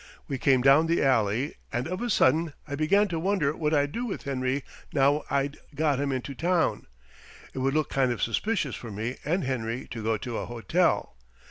We came down the alley, and of a sudden I began to wonder what I'd do with Henry now I'd got him into town. It would look kind of suspicious for me and Henry to go to a hotel.